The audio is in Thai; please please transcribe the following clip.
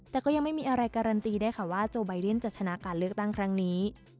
แต่ก็ยังไม่มีอะไรการันตีได้ค่ะว่าโจไบเรียนจะชนะการเลือกตั้งครั้งนี้